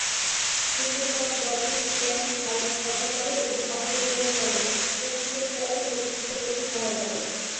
যুদ্ধের পর দলটি ইংল্যান্ড, ভারত সফর করে এবং অস্ট্রেলিয়ায় খেলে ও ক্রিকেট খেলাকে প্রতিষ্ঠিত করতে সহায়তা করে।